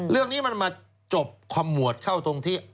เรื่องนี้มันมาจบขมวดเข้าตรงที่